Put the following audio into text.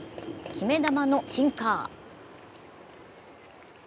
決め球のシンカー。